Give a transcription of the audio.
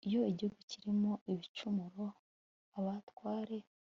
Iyo igihugu kirimo ibicumuro abatware